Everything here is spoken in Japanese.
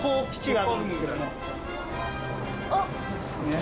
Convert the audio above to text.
あっ！